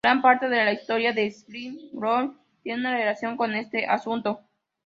Gran parte de la historia de Schleswig-Holstein tiene una relación con este asunto.